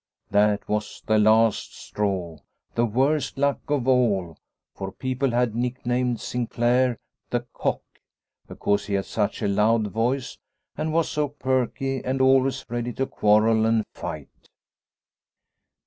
That was the last straw, the worst luck of all, for people had nicknamed Sinclaire " The Cock," because he had such a loud voice, and was so perky and always ready to quarrel and fight.